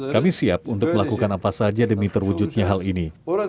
kami siap untuk melakukan apa saja demi terwujudnya hal ini